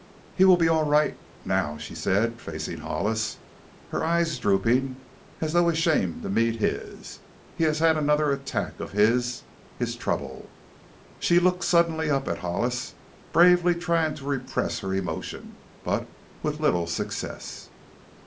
"He will be all right now," she said, facing Hollis, her eyes drooping as though ashamed to meet his. "He has had another attack of his his trouble." She looked suddenly up at Hollis, bravely trying to repress her emotion but with little success.